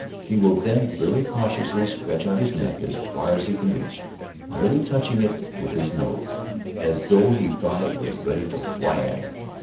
He will then very cautiously stretch out his neck as far as he can reach, merely touching it with his nose, as though he thought it was ready to fly at him.